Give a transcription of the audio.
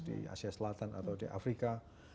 di asia selatan atau di afrika